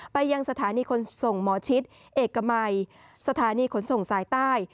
ไปยังสถานีขนส่งหมอชิดเอกมัยสถานีขนส่งสายใต้